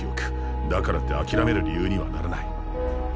だからってあきらめる理由にはならない。